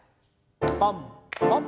ポンポン。